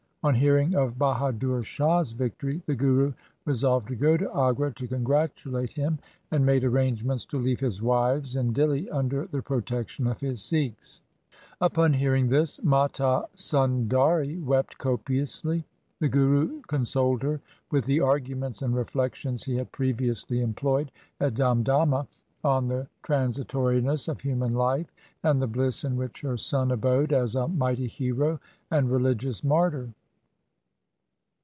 On hearing of Bahadur Shah's victory the Guru resolved to go to Agra to congratulate him, and made arrangements to leave his wives in Dihli under the protection of his Sikhs. Upon hear ing this Mata Sundari wept copiously. The Guru 1 Waqiat Hind. LIFE OF GURU GOBIND SINGH 231 consoled her with the arguments and reflections he had previously employed at Damdama. on the tran sitoriness of human life and the bliss in which her son abode as a mighty hero and religious martyr.